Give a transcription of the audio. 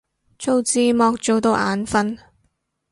做字幕做到眼憤